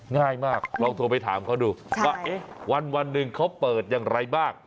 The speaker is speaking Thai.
ง่ายมากลองโทรไปถามเขาดูว่าเอ๊ะวันหนึ่งเขาเปิดอย่างไรบ้าง